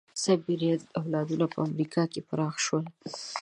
د سایبریا اولادونه په امریکا کې پراخه شول.